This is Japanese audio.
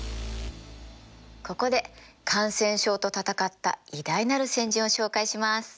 ここで感染症と闘った偉大なる先人を紹介します。